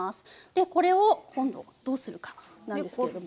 でこれを今度どうするかなんですけれども。